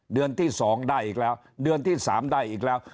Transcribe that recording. เดือนที่๒ได้อีกแล้วเดือนที่๓ได้อีกแล้ว